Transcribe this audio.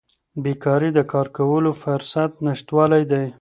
بیکاري د کار کولو فرصت نشتوالی دی.